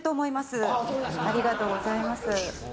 ありがとうございます。